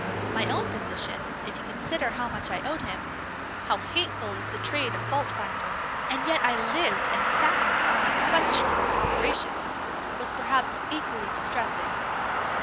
My own position, if you consider how much I owed him, how hateful is the trade of fault finder, and that yet I lived and fattened on these questionable operations, was perhaps equally distressing.